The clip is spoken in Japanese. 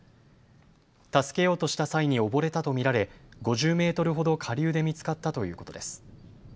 助けようとした際に溺れたと見られ５０メートルほど下流で見つかったということです。